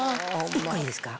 一個いいですか？